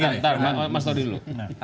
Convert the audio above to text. bentar mas ndor dulu